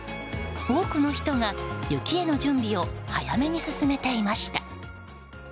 多くの人が雪への準備を早めに進めていました。